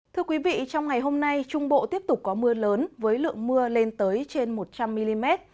thưa quý vị trong ngày hôm nay trung bộ tiếp tục có mưa lớn với lượng mưa lên tới trên một trăm linh mm